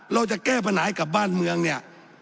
เราจะแก้ฝนายกับบ้านเมืองเนี่ย